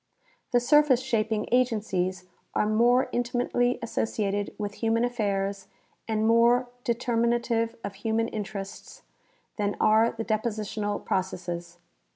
The surface shaping agencies are more intlmatel}^ associated with human affairs and more determinative of human interests than are the depositional processes.